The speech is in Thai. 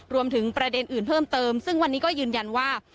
รวมถึงประเด็นอื่นเพิ่มเติมซึ่งวันนี้ก็ยืนยันว่า